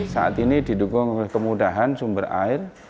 saat ini didukung oleh kemudahan sumber air